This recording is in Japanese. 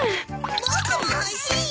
僕も欲しい！